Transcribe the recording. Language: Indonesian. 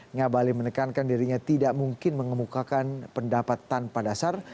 ngabalin menekankan dirinya tidak mungkin mengemukakan pendapat tanpa dasar